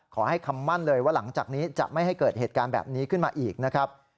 ขอให้คำมั่นเลยว่าหลังจากนี้จะไม่ให้เกิดเหตุการณ์แบบนี้ขึ้นมาอีกนะครับ